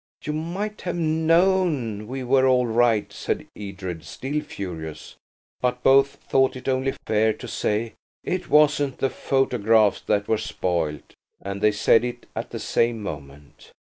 "You might have known we were all right," said Edred, still furious; but both thought it only fair to say, "It wasn't the photographs that were spoiled"–and they said it at the same moment.